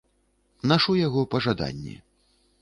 Нашу яго па жаданні.